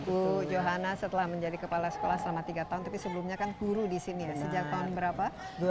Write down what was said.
ibu johana setelah menjadi kepala sekolah selama tiga tahun tapi sebelumnya kan guru di sini ya sejak tahun berapa